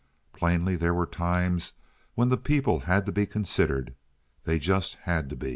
Plainly there were times when the people had to be considered. They just had to be!